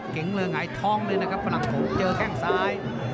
เก๋งเลยหงายท้องเลยนะครับฝรั่งขูเจอแข้งซ้าย